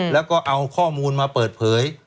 แล้วก็เอาข้อมูลมาเปิดเผย